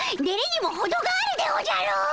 デレにもほどがあるでおじゃる！